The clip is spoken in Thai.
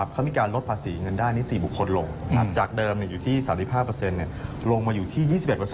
เขามีการลดภาษีเงินด้านนิติบุคคลลงจากเดิมอยู่ที่๓๕ลงมาอยู่ที่๒๑